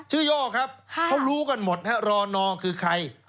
ย่อครับเขารู้กันหมดฮะรอนอคือใคร